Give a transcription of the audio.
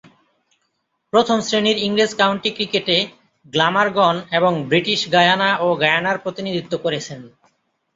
প্রথম-শ্রেণীর ইংরেজ কাউন্টি ক্রিকেটে গ্ল্যামারগন এবং ব্রিটিশ গায়ানা ও গায়ানার প্রতিনিধিত্ব করেছেন।